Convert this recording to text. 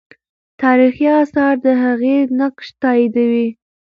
تاریخي آثار د هغې نقش تاییدوي.